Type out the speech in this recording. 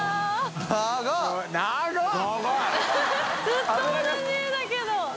ずっと同じ絵だけど。